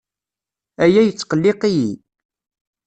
Aya yettqelliq-iyi.